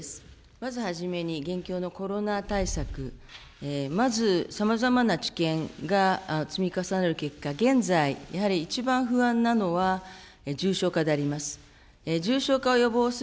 まずはじめに、現況のコロナ対策、まずさまざまな知見が積み重ねた結果、現在、やはり一番不安なのは重症化であります。